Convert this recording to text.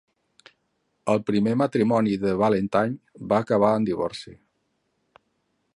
El primer matrimoni de Ballantine va acabar en divorci.